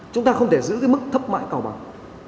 chúng ta không thể giữ cái mức thấp mại cầu bằng